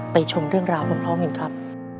ชมเรื่องราวพร้อมกันครับ